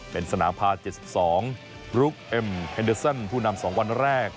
เป็นสนามพาสเจ็ดสิบสองลูกเอ็มเฮนเดอร์ซันผู้นำสองวันแรก